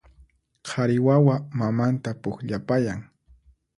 Qhari wawa mamanta pukllapayan